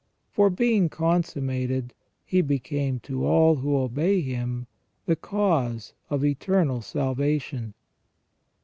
For " being con summated, He became to all who obey Him the cause of eternal salvation